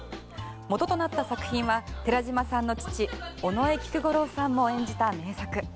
元となった作品は寺島さんの父尾上菊五郎さんも演じた名作。